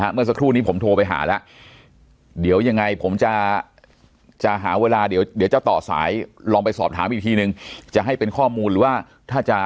เมื่อสักครู่นี้ผมโทรไปหาแล้วเดี๋ยวยังไงผมจะ